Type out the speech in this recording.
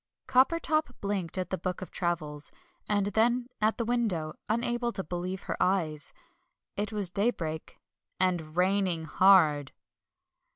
Coppertop blinked at the book of travels, and then at the window, unable to believe her eyes. It was daybreak, and RAINING HARD.